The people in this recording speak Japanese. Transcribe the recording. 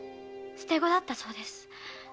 捨て子だったそうです。